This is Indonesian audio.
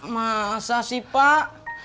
masa sih pak